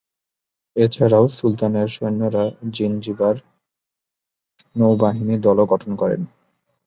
এছাড়াও সুলতানের সৈন্যরা জাঞ্জিবার নৌবাহিনী দলও গঠন করে।